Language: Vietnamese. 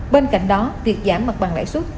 bên cạnh đó việc giảm mặt bằng lãi suất